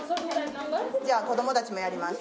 じゃあ子どもたちもやります。